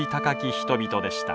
人々でした。